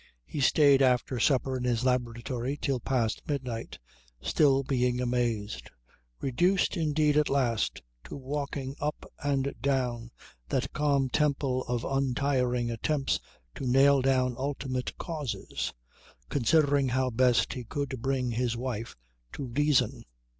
He stayed after supper in his laboratory till past midnight, still being amazed, reduced indeed at last to walking up and down that calm temple of untiring attempts to nail down ultimate causes, considering how best he could bring his wife to reason.